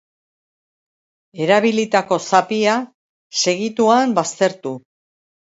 Erabilitako zapia segituan baztertu.